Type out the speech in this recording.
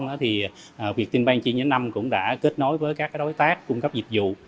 ngành chi nhấn năm cũng đã kết nối với các đối tác cung cấp dịch vụ